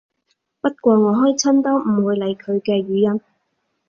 不過我開親都唔會理佢嘅語音